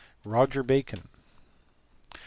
Roger Bacon*.